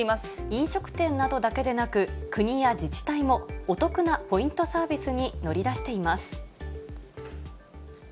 飲食店などだけでなく、国や自治体も、お得なポイントサービスに乗り出しています。